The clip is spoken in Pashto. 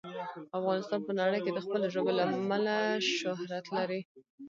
افغانستان په نړۍ کې د خپلو ژبو له امله شهرت لري.